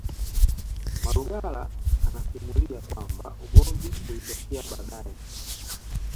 Malugala anasimulia kwamba ugomvi ulitokea baadae